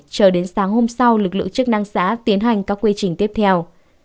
chờ đến sáng hôm sau lực lượng chức năng xã tiến hành các quy trình tiếp theo